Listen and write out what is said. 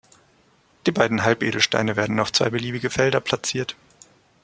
Die beiden Halbedelsteine werden auf zwei beliebige Felder platziert.